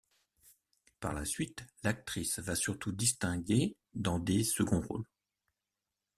Par la suite, l'actrice va surtout distinguer dans des seconds rôles.